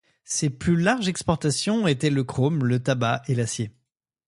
Ses plus larges exportations étaient le chrome, le tabac et l'acier.